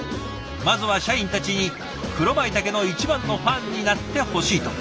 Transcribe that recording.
「まずは社員たちに黒まいたけの一番のファンになってほしい」と。